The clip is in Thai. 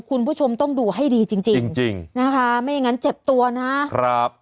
คุณผู้ชมต้องดูให้ดีจริงจริงนะคะไม่อย่างนั้นเจ็บตัวนะครับ